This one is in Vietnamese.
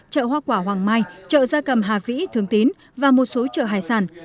chợ hoa quả hoàng mai chợ gia cầm hà vĩ thường tín và một số chợ hải sản